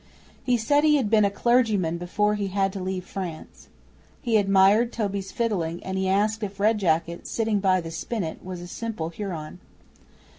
He said he had been a clergyman before he had to leave France. He admired at Toby's fiddling, and he asked if Red Jacket, sitting by the spinet, was a simple Huron.